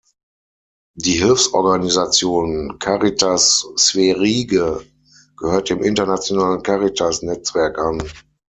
Die Hilfsorganisation "Caritas Sverige" gehört dem internationalen Caritas-Netzwerk an.